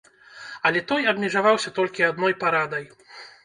Але той абмежаваўся толькі адной парадай.